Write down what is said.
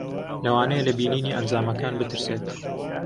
لەوانەیە لە بینینی ئەنجامەکان بترسێت.